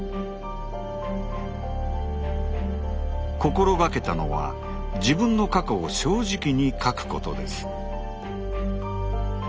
心がけたのは自分の過去を正直に書くことです。